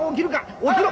起きろ！